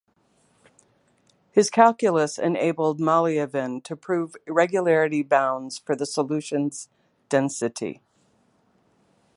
His calculus enabled Malliavin to prove regularity bounds for the solution's density.